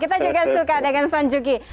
kita juga suka dengan son juki